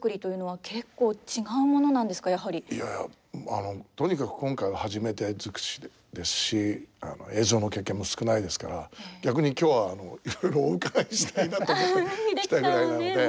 いやあのとにかく今回は初めて尽くしですし映像の経験も少ないですから逆に今日はいろいろお伺いしたいなと思って来たぐらいなので。